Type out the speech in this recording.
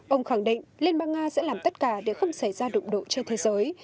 ông khẳng định liên bang nga sẽ làm tất cả để không xảy ra đụng độ trên thế giới